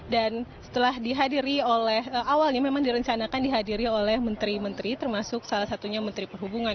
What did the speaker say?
dan setelah dihadiri oleh awalnya memang direncanakan dihadiri oleh menteri menteri termasuk salah satunya menteri perhubungan